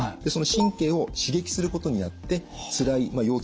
その神経を刺激することになってつらいまあ